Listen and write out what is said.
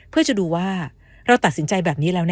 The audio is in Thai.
เพื่อจะดูว่าเราตัดสินใจแบบนี้แล้ว